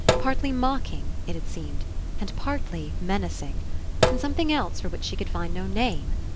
Partly mocking, it had seemed, and partly menacing. And some thing else for which she could find no name.